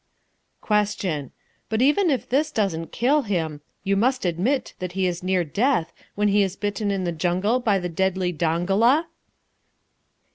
Question. But even if this doesn't kill him, you must admit that he is near death when he is bitten in the jungle by the deadly dongola?